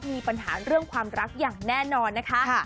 มีปัญหาเรื่องความรักอย่างแน่นอนนะคะ